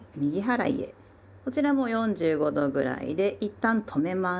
こちらも４５度ぐらいでいったん止めます。